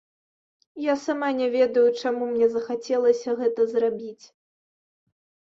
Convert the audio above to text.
Я сама не ведаю, чаму мне захацелася гэта зрабіць.